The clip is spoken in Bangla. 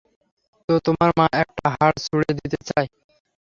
তো, তোমার মা একটা হাড় ছুঁড়ে দিতে চায়?